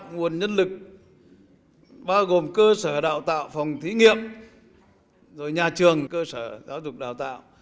nguồn nhân lực bao gồm cơ sở đào tạo phòng thí nghiệm rồi nhà trường cơ sở giáo dục đào tạo